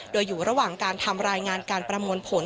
โดยอยู่ระหว่างการทำรายงานการประมวลผล